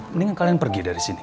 mendingan kalian pergi dari sini